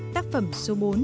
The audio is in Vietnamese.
tác phẩm số bốn